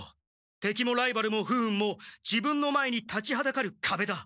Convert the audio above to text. てきもライバルも不運も自分の前に立ちはだかるかべだ。